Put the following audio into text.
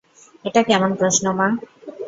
এটা কেমন প্রশ্ন মা?